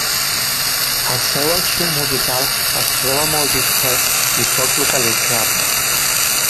El seu arxiu musical es troba molt dispers i poc localitzable.